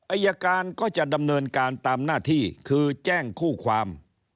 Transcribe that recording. อายการก็จะดำเนินการตามหน้าที่คือแจ้งคู่ความ